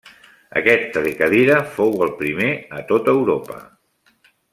Aquest telecadira fou el primer a tot Europa.